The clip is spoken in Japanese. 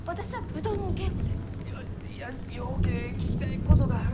いやようけ聞きたいことがある